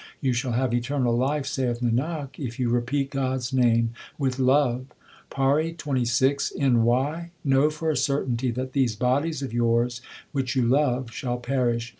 You shall have eternal life, saith Nanak, if you repeat God s name with love. PAURI XXVI N Y. Know for a certainty that these bodies of yours which you love shall perish.